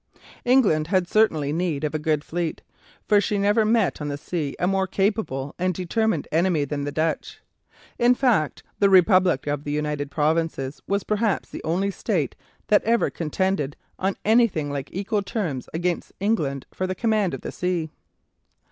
England had certainly need of a good fleet, for she never met on the sea a more capable and determined enemy than the Dutch. In fact, the republic of the United Provinces was perhaps the only state that ever contended on anything like equal terms against England for the command of the sea.